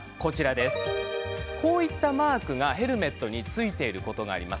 こういったマークがヘルメットについていることがあります。